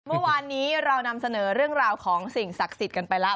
เมื่อวานนี้เรานำเสนอเรื่องราวของสิ่งศักดิ์สิทธิ์กันไปแล้ว